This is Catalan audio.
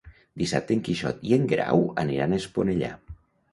Dissabte en Quixot i en Guerau aniran a Esponellà.